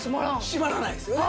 閉まらないですよね。